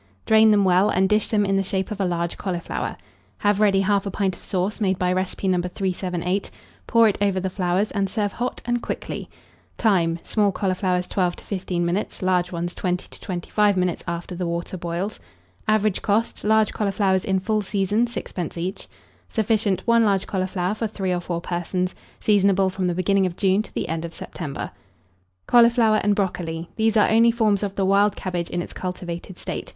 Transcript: Drain them well, and dish them in the shape of a large cauliflower. Have ready 1/2 pint of sauce, made by recipe No. 378, pour it over the flowers, and serve hot and quickly. Time. Small cauliflowers, 12 to 15 minutes, large ones, 20 to 25 minutes, after the water boils. Average cost, large cauliflowers, in full season, 6d. each. Sufficient, 1 large cauliflower for 3 or 4 persons. Seasonable from the beginning of June to the end of September. CAULIFLOWER AND BROCOLI. These are only forms of the wild Cabbage in its cultivated state.